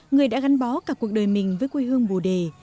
người đã gắn bó cả cuộc đời mình với quê hương bồ đề